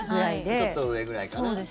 ちょっと上ぐらいかな。